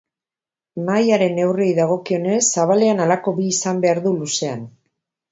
Mahaiaren neurriei dagokionez, zabalean halako bi izan behar du luzean.